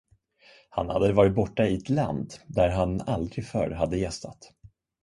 Han hade varit borta i ett land, där han aldrig förr hade gästat.